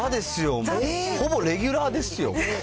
ほぼレギュラーですよ。